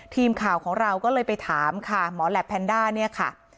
ทีมข่าวของเราก็เลยไปถามค่ะหมอแลบแพนด้า